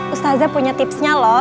ustazah punya tipsnya loh